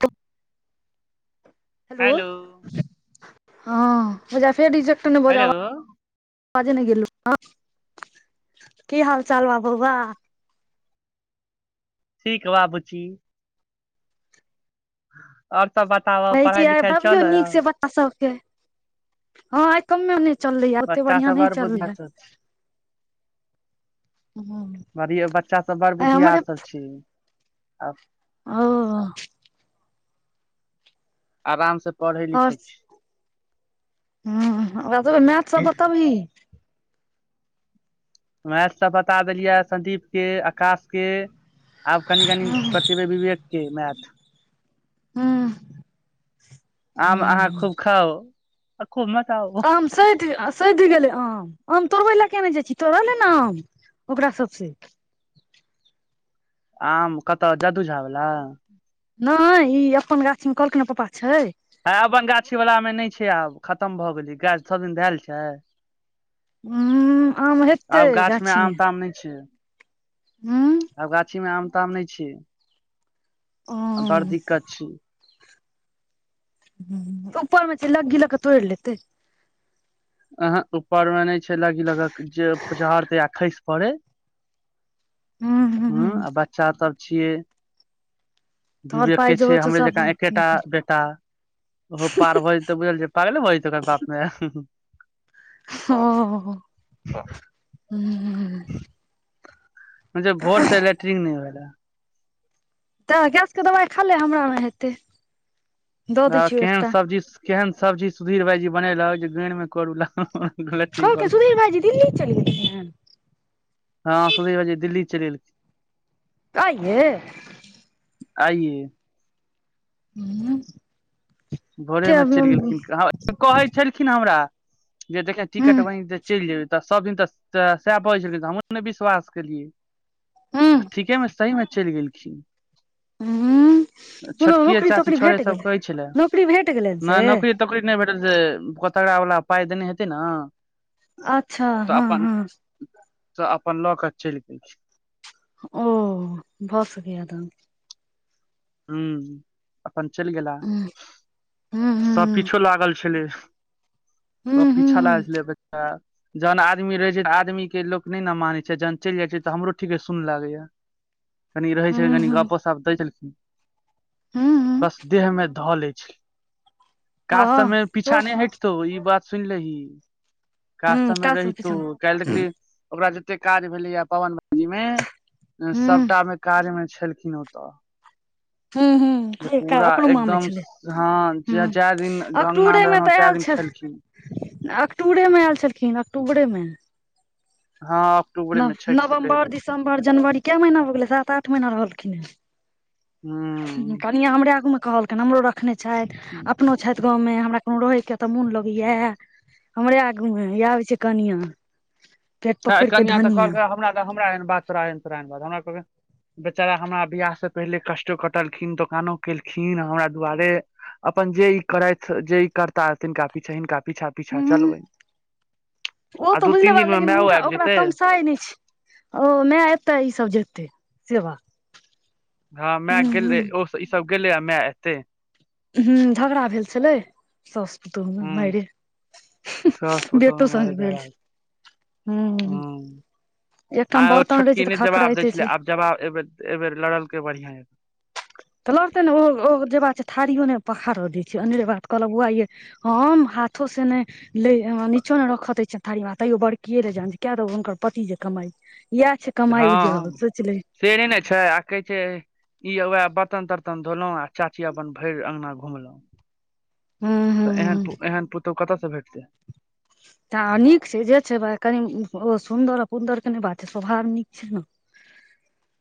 तऽ हेलो ह पूजा फेर रिजल्ट हेलो अबाजे नहि गेलु की हाल चाल बा बौआ ठीक बा बुची आओर भौजी यै दबियौ नीक से बच्चा सबके हँ आ कमे नहि चललै आ ओते बच्चा बढ़ियां सब न चललै बढ़ियौ बच्चा सब बड़ आइ हमरे बुध्दियार सब छै आ ओ आरामसँ पढ़ै आओर लिखै छी ह ओकरा सभ मैथ सभ बतबही मैथसभ बता देलियै संदीपके आकाशके आब कनि कनि बतेबै विवेक के मैथ हूँ आम अहाँ हूँ खूब खाउ आ खूब मचाउ आम सथि सढि गेलै आ आम तोड़बै लए केने जाइ छी तोड़ले ने आम ओकरा सबसे आम कतऽ जादू झा बला नहि ई अपन गाछ में कहलखिन ने पापा छै हँ अपन गाछीवलामे नहि छै आब खतम भऽ गेलै गाछ सभ दिन धएल छै ह आम हेतै आब गाछ मे आम गाछीमे ताम नहि छै हू आब गाछीमे आम ताम नहि छै उ बड़ दिक्त छै ह उपरमे लगी लऽ के तोड़ि लेतै अह ऊपरमे नहि छै लगी लगक जे चहड़तै आ खसि पड़े हूं ह्म हूं आ बच्चासश सभ छियै तोहर पाइ विवेकके जोर छै छौ हमरे सब जेकाँ एकेटा नीक बेटा ओहो पार भै जेतै तऽ बुझल छौ पागले भऽ जेतै बाप माय ओ हो ह भोर से लेक्ट्रींग नहि भेलै हन तऽ गैसके दबाई खा ले हमरा मे हेतै दऽ आ दै छियौ केहन एकटा सब्जी केहन सब्जी सुधीर भायजी बनेलक जे गांरि मे करू लागल कहलकै ठीकल सुधीर भाईजी दिल्ली चलि गेलखिन हन हँ सुधी बाजी दिल्ली चलि गेलथिन आइये आइए हू भोरेमे चलि गेलखिन हँ कहै छलखिन हमरा जे देखियै हूं टिकट बनि जेतै चलि जेबै तऽ सब दिन तऽ तोरा सएह बाजय छलखिन तऽ हमर ने विश्वास केलियै हूं आ ठीकेमे सहीमे चलि गेलखिन कोनो छोटकिए नौकरी तोकरी चाची भेट छोड़ै गेलै सब कहय छलै नौकरी भेट गेलैन नहि से नौकरी तोकरी नहि भेटत जे कोतड़वावला पाइ देने हेतै ने अच्छा हँ हँ से अपन लऽ कऽ चलि गेल छै ओ भऽ सकय यै तखन ह अपन चलि गेला हूं हूं सबकिछो लागल छलै हूं सब हूं पीछा हूं लागै छलै बच्चा जहन आदमी रहैत छै तऽ आदमीके लोक नहि ने मानै छै जहन चलि जाइत छै तऽ हमरो ठीके सुन लागैए कनी रहै छै हूं कनि हूं गपसप दै छलखिन हूं बस देहमें धो ले काज तऽमे हँ पीछा नहि हटतौ ई बात सुनि लही काज हूँ सभमे कासल रहितौ पिछन काल् देखली ओकरा जतेक काज भेलैएा पवन भजीमे हूँ सभटामे कार्यमे छलखिन ओतय हूँ पूरा अपनो मामे एकदम छलै हँ ज हूँ दिन गङगना मे रहलहु तै दिन खेल देख अक्टूबरेमे आयल छलखिन अक्टूबरेमे हँ अक्टूबरे मे नव छठि से पहिले नवम्बर दिसम्बर जनवरी कए महीना भऽ गेलै सात आठ महीना रहलखिन हेँ कनि हमरे आगूमे कहलखनि हमरो रखने छथि अपनो छथि गाँवमे हमरा कोनो रहैके तऽ मोन लगै इह हमरे आगू मे आबै छै कनिआ हँ कनिआँ तऽ कहलक हमरा तऽ हमरा एहन बात तोरा एहन तोरा एहन ब हमरा कहके बेचारा हमरा बियाहसँ पहिले कष्टो कटलखिन दोकानो केलखिन हमरा दुआरे अपन अपन जे ई करथि जे ई करता रहथिन कपी छन कापी पीछा पीछा हूँ चलबै ओ आ तऽ दू बुझले तीन बात दिन मे लेकिन मायो हुनका आबि ओकरा जेतै तमसाइ नहि छै ओ माय एतै ई सब जेतै सेवा हँ मैं गेलै ओ ईसभ गेलैए मैं एते ह झगड़ा भेल छलै सस्त हूँ मैर हुँ सास जे पुतोह मे एत्तो सँ माय रऽ गेल झगड़ा हू हूँ आ ओ छोटकी नहि जवाब दै छै छलै आब जवाब ए बेेर लड़लक बढ़िआं तऽ लड़ते ने ओ जे बात छै थारियो ने पखाड़ऽ दै छै अन्रे बात कहलक बौआ ये हम हाथो से ने ल नचो ने रखत हे थारीमे तैयो बड़कीए ले जान किया त हुनकर पति जे कमाइ इएह छै कमाइ उजर हँ सोचि ले से नहि ने छै आ कहै छै ईएह बर्तन तर्तन धोलहुं आ चाची अपन भरि अङंगगना घुमलहुं हुं तऽ एहन हुं एहन पुतहु कतयसँ भेटतै हुँ तऽ नीक छै जे छै कनी ओ सुन्दर आ पन्दर के नहि बात छै स्वभाव नीक छै ने ह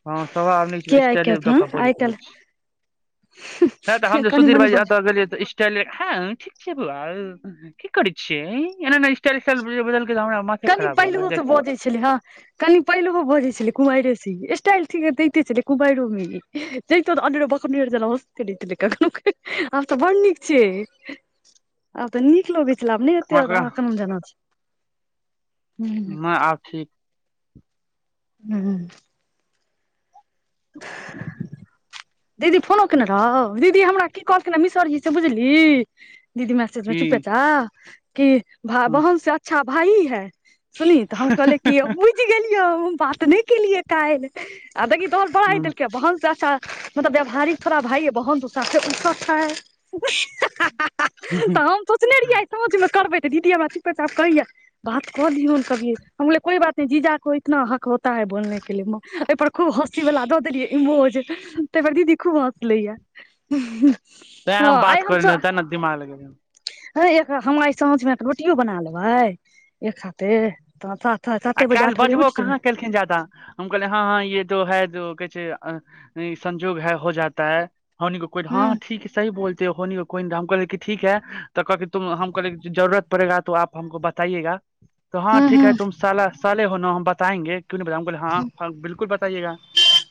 हँ स आ न छै स्टाइले द आइ बजैत रहै काल्हि छै ह तऽ हम जे कनि सुधीर मनि भाइ बज एतऽ गेलियै तऽ स्टाल ह ठीक छै बौआ यौ की करै छियै एना नै स्टाइल उस्टाइल बदल [unintelligible] कनि पहिलहो से बजै छलै हँ कनि पहिलहो बजै छलै कुमारी सँ टाइलथ कुमाइ रूमी तऽ अरो बक जना हींह आब तऽ बड़ नीक छिय आब तऽ नीक लगै छै सब हमरा नीक कलहूँ मे आब ठीक ह ह दीदी फोनो केयने रहौ दीदी हमरा की कहलखना मिसरजी से बुझली दीदी मैसेज मे की चुपैचा कि भ ह बहन से अच्छा भाई है सुनी तऽ हम कहलिय कि बुझि गेलिय हम बात नहि केलियै काल्हि आ देखिंही तोर बड़ाइ ह कएलकै त हम चाचा मतलब व्यावहारिक थोड़ा भाइ बहुत दसे उा है तऽ हम सोचने रहियै आइ साँझ मे करबै फोन दीदी हमरा चुपेचाप कहेया बात कऽ लियौन हम कहलिए कोई बात नहि जीजा को इतना हक होता है बोलने के ल एहिप पर खूब हँसी बालला दऽ देलहियै ई मोज तै पर दीदी खूब हँसलै ये तै हम बात कर ने तै ने दिमाग लगे है एकरा हमराइ साँझमे रोटियो बना लेबै एक हाथे तऽ सात आ साते बजे काइल आठ बजे बजबो उठि जेबै कहाँ केलखिन जादा हम कहलै हँ हँ ये जो है जो कह संजोग है हो जाता है होनी को कोइ हँ हूँ ठीक सी सही बोल तेँ हो कोइ हम कहलियै की ठीक ह तऽ कहके तुम हम कहलियै जरूरत पड़ेगा तो आप हमको बताइएगा त हँ हूँ ठीक हूँ है तुम साला साले हो न हम बताएंगे नहि बता हँ बिलकुल बताइएगा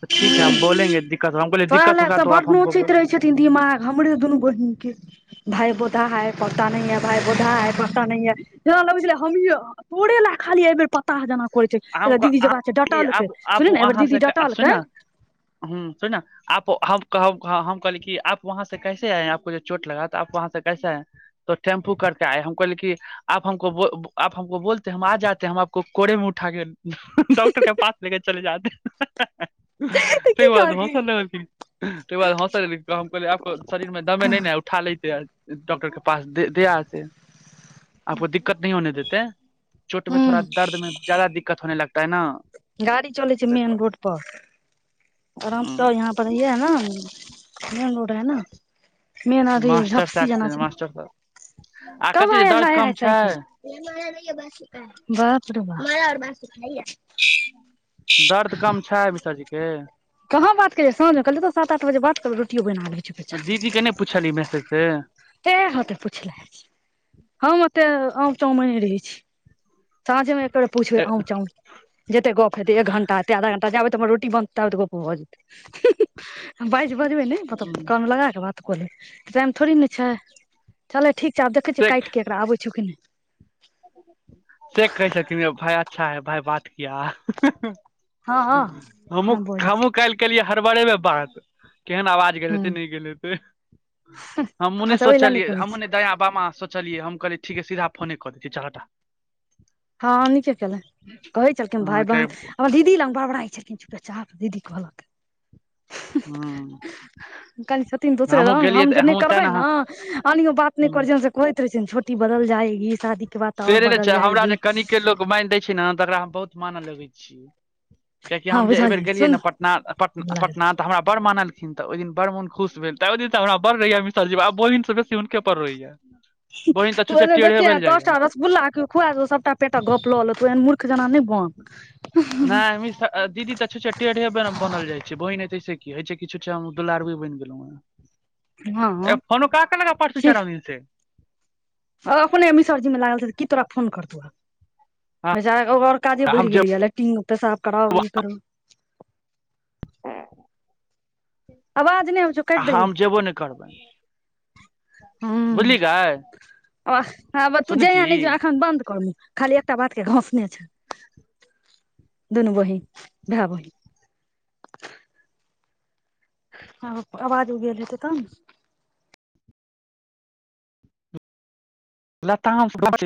तऽ ठीक है हम बोलेंगे दिक्कत होगा हम कहलियै दिक्कत होगा तो आप हम सोचैत रहे छथिन दिमाग हमरे दुनू बहिन के भाय बोतहा है पता नहीं मेरा भाय बोतहा है सोंचता नहि है जेना लगैत छेलै हमहींये तोरे ले खाली एहि बेर पताह जेना क कर छै दीदी जेबाक आब आप अहाँ से सुन न हूँ सुन न आप हम कह हम कहली कि आप वहाँ से कैेसे आए हैं आप को जो चोट लगा तो आप वहाँ से कैसे आए हैं त टेम्पू करके आए हम कहलियै कि आप हमको बोलते हम आ जाते हम आपको कोड़े में उठा ठा के डॉक्टर के पास लेके चले जाते तऽ ताहिके की बाद कहलखिन हँसल लगलखिन तकर बाद हँसल कहल आपको शरीर में दमे नहि न है उठा लैते डाक्टर के पास देे आछे आपको दिक्कत नहि होने देते चोट मे हूँ थोड़ा दर्दमे दिक्कत होने लागता है न गाड़ी चलै छै मेन रोड पर आराम सँ यहाँ पर इ है न मेन रोड हैै न मेन अथी मास्टर झपसी साहब जेना छथिन छै न मास्टर साहब आ कब कथी आया दर्द लाया है कम साइकिल छै धत्त [unintelligible] मा आओर मस खइया [unintelligible] दर्द कम छै मिश्ररजीे केँ कहाँ बात केलियै साँझ मे कहलिय त सात आठ बजे बात करबै रोटियो बैन गेलै चुपेचाप दीदी के नहि पूछली मैसेज से फेर होतै पुछलहिन हम तै आम चाओं मारि रहै छै साँझेमे तै पूछबै आँव चांउ जते गप हेते एक घंटा हेतै आधा घंटा जाबे तख हमर रोटी बनतै ताबे तक मे गप भऽ जेतै बाज बजबै ने कान मे लगा के बात तऽ कहलहु टाइम थोड़े ने छै चलै ठीक छै आब देखै छियै काटि कऽ एकरा आबै छौ कि नहि से कहै छथिन भाय अच्छा है भाय बात किया हँ हँ हमूँ नहि बजै छै हमहुँ काल्हि केलियै हरबरेमे बात केहन आवाज गेल हेतै हूँ नहि गेल हेतै हमहुँ नहि अच्छा ओहि लए सोचलियै हमहुँ नहि दायाँ बामाँ सोंचलियै हम कहलियै ठीके सीधा फोने कऽ दै छी चल हटा हँ निके केेल कहै छलखिन हँ भाय कै बहन हमर दीदी लग बड़बड़ाइ छलखिन चुपेचाप दीदी कहलक हूँ कनि छथिन दोसरे हमहुँ रंग गेलियै हम जे तऽ नहि हमहुँ तें करबे ने नै अनहियो बात नहि करै छियनि कहै दिन छोटी बदल जाएगी शादी के बाद तो और बदल जाएगी केत्ते लोक मानि दै छै ने तकरा हम बहुत मानऽ लगै छियै कियाकि हँ हम जे एहि बेेर बुझलियै गेलियै सुन ने पटना पटना तऽ हमरा बड़ मानल तऽ ओहि दिन बड़ मन खुश भेल तै ओहि दिन सँ हमरा बड़ रहैया मिश्र जी सँ आ बहिन सँ बेसी हुनके पर रहैया बहिन तऽ छुच्छे टेंढ़े भेल जाइया बुला के खुआ सभटा पेटक गप लऽ लेतौ तू एहन मूर्ख जेना नहि बन नहि मिश्र दीदी तऽ छुछे टेढ़े बनल जाइ छै बहिन है तैसे की होइ छै कि छु दुलारूये बनि गेलौं हँ ए फोनो कहां केलक ये परसू छी चारम दिन सँ अपने मिसरजी मे लागल छै की तोरा फोन करतौ आब मे जार आओर काजे हम बढ़ि गेले ये लैट्रिंग पेसाफ कराउ ई करू ह आवाज नहि आब छौ कटि दैौ जेबो नहि करबै बुझली गै हँ आब तू सुनै जाइय छी नहि ज एखन बन्द करल खाली एकटा बात के घसने छ दुनू बहिन भाय बहिन आब आवाज उगेल हेतै तब ने लताम खोजे